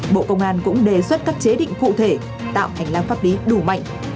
bộ công an cũng đề xuất các chế định cụ thể tạo hành lang pháp lý đủ mạnh